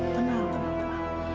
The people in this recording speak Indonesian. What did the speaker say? tenang tenang tenang